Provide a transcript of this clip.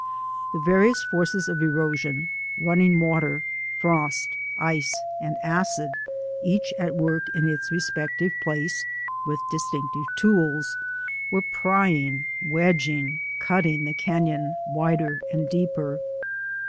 The various forces of erosion — running water, frost, ice, and acid, each at work in its re spective place with distinctive tools — were prying, wedging, cutting the canon wider and deeper.